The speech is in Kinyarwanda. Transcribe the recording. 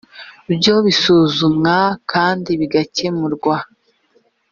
byo bisuzumwa kandi bigakemurwa